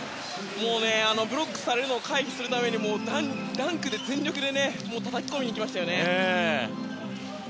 ブロックされるのを回避するためにダンクで全力でたたき込みに行きましたね。